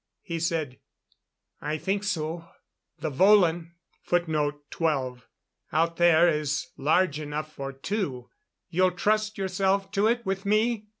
He said: "I think so. The volan out there is large enough for two. You'll trust yourself to it with me?